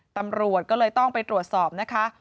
ตำรวจก็เลยต้องไปตรวจสอบนะคะ